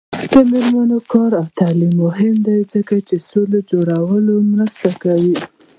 د میرمنو کار او تعلیم مهم دی ځکه چې سولې جوړولو مرسته کوي.